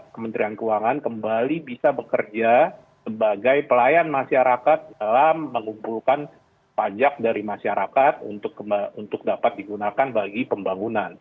kementerian keuangan kembali bisa bekerja sebagai pelayan masyarakat dalam mengumpulkan pajak dari masyarakat untuk dapat digunakan bagi pembangunan